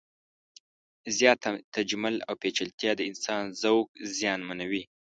زیات تجمل او پیچلتیا د انسان ذوق زیانمنوي.